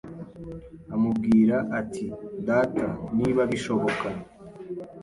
amubwira ati ‘Data, niba bishoboka,